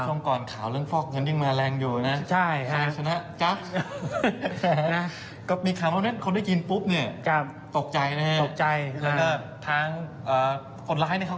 ช่องก่อนข่าวเรื่องฟอกเงินยังมาแรงอยู่เวลานะ